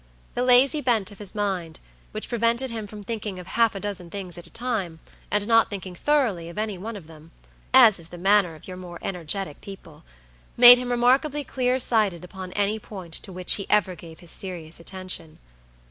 The lazy bent of his mind, which prevented him from thinking of half a dozen things at a time, and not thinking thoroughly of any one of them, as is the manner of your more energetic people, made him remarkably clear sighted upon any point to which he ever gave his serious attention.